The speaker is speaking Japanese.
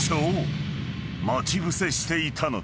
［待ち伏せしていたのだ］